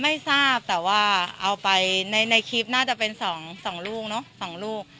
ไม่ทราบแต่ว่าเอาไปในคลิปน่าจะเป็น๒ลูกเนอะ๒ลูก